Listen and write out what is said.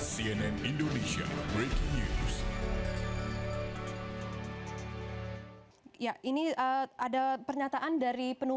cnn indonesia breaking news